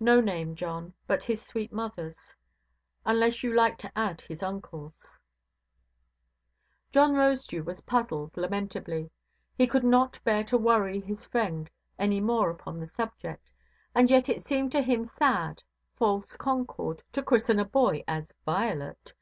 "No name, John, but his sweet motherʼs; unless you like to add his uncleʼs". John Rosedew was puzzled lamentably. He could not bear to worry his friend any more upon the subject; and yet it seemed to him sad, false concord, to christen a boy as "Violet".